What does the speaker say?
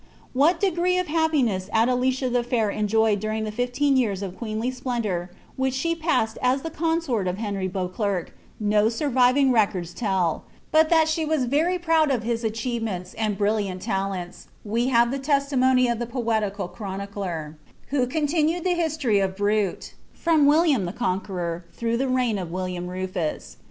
What degree of hi^ypiness Adelicia the Fair enjoyed during the fifleen rears of queenly splendour which she passed as the consort of Henry Beauclerc, no surviving records tell ; but that she was very proud of his ichievements and brilliant talents, we have the testimony of the poetical chronicler, who continued the history of Brut, from William the Con queror, through the reign of William Rufus.